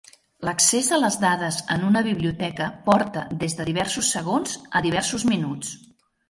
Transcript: L'accés a les dades en una biblioteca porta des de diversos segons a diversos minuts.